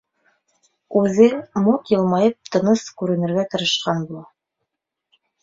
Үҙе, мут йылмайып, тыныс күренергә тырышҡан була.